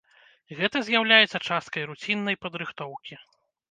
Гэта з'яўляецца часткай руціннай падрыхтоўкі.